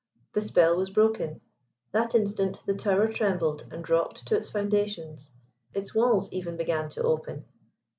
The spell was broken. That instant the tower trembled and rocked to his foundations. Its walls even began to open.